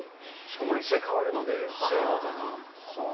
毎試合変わるので、試合ごとに。